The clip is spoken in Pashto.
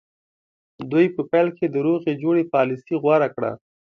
دوی په پیل کې د روغې جوړې پالیسي غوره کړه.